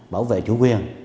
bảo vệ chủ quyền